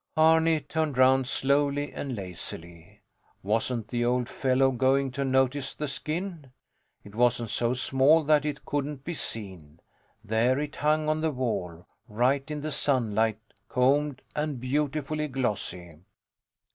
Arni turned round slowly and lazily. Wasn't the old fellow going to notice the skin? It wasn't so small that it couldn't be seen. There it hung on the wall, right in the sunlight, combed and beautifully glossy.